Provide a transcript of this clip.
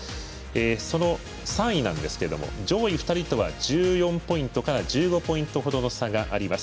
その３位なんですけれども上位２人とは１４ポイントから１５ポイント程の差があります。